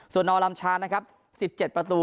ส่วนนอร่ำชา๑๗ประตู